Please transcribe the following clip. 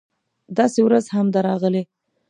داسې ورځ هم ده راغلې